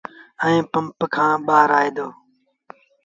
ائيٚݩ پمپ کآݩ ٻآهر آئي دو۔